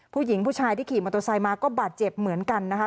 ผู้ชายที่ขี่มอเตอร์ไซค์มาก็บาดเจ็บเหมือนกันนะคะ